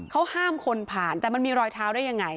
เขาห้ามคนผ่านแต่มันมีรอยเท้าได้ยังไง